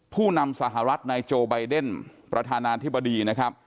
ผู้นำสหรัฐนายโจไบเดนประธานาธิบดีนะครับ